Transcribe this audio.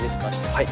はい。